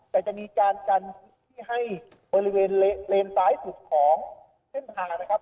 แต่จะมีการกันที่ให้บริเวณเลนซ้ายสุดของเส้นทางนะครับ